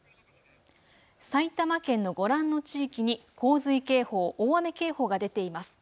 埼玉県のご覧の地域に洪水警報、大雨警報が出ています。